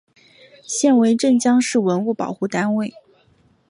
现为镇江市文物保护单位。